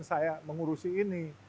saya mengurusi ini